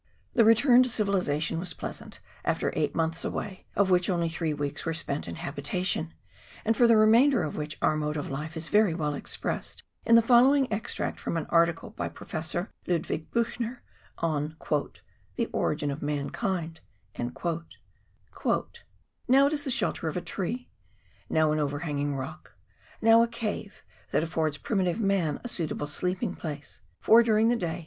The return to civilisation was pleasant after eight months away, of which only three weeks were spent in habitation, and for the remainder of which our mode of life is very well expressed in the following extract from an article by Pro fessor Ludwig Biichner on "The Origin of Mankind": — "Now it is the shelter of a tree ... now an overhanging rock, now a cave that affords primitive man a suitable sleeping place ; for during the day